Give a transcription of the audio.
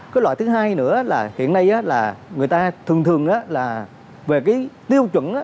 cái loại thứ hai nữa là hiện nay là người ta thường thường là về cái tiêu chuẩn